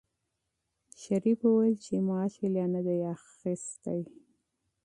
شریف وویل چې معاش یې لا نه دی اخیستی.